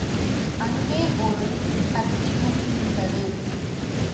அங்கே ஒரு கத்தியும் இருந்தது.